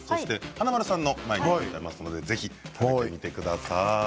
華丸さんの前にありますのでぜひ食べてみてください。